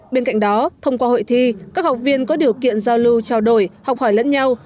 bên cạnh đó thông qua hội thi các học viên có điều kiện giao lưu trao đổi học hỏi lẫn nhau